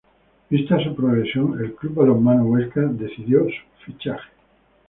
Vista su progresión el Club Balonmano Huesca decidió su fichaje.